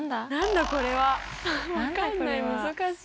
分かんない。